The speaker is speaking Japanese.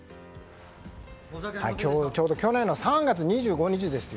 ちょうど去年の３月２５日です。